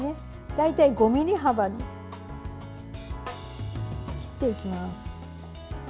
大体、５ｍｍ幅に切っていきます。